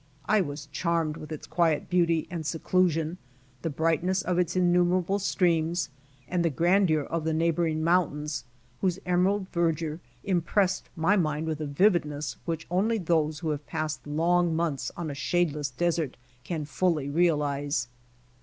I was charmed with its quiet beauty and seclusion, the brightness of its innumerable streams, and the grandeur of the neighboring mountains whose emerald verdure impressed my mind iwith a vividness which only those who have passed long months on a shadeless desert can fully realize.